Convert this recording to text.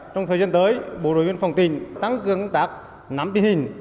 trong thời gian tới bộ đội biên phòng tỉnh tăng cường tác nắm biên hình